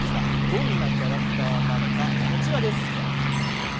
どんなキャラクターなのかこちらです。